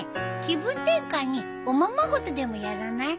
気分転換におままごとでもやらない？